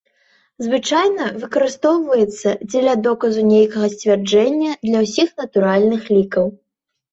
Звычайна выкарыстоўваецца, дзеля доказу нейкага сцвярджэння для ўсіх натуральных лікаў.